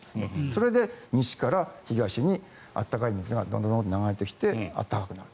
それで西から東に暖かい水がドドドと流れてきて暖かくなる。